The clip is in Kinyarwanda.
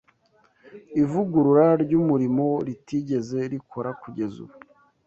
Ivugurura ry’umurimo ritigeze rikora kugeza ubu